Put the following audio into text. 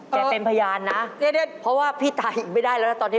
เป็นพยานนะเพราะว่าพี่ตายไม่ได้แล้วนะตอนนี้